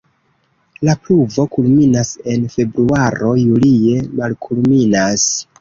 La pluvo kulminas en februaro, julie malkulminas.